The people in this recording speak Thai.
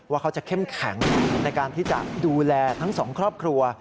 ว่าเขาจะเข้มแข็งในการที่จะดูแลทั้งสองครอบครัว